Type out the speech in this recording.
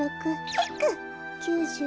ヒック。